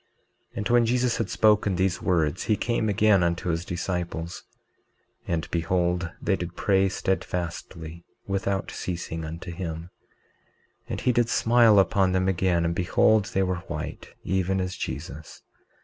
19:30 And when Jesus had spoken these words he came again unto his disciples; and behold they did pray steadfastly, without ceasing, unto him; and he did smile upon them again; and behold they were white, even as Jesus.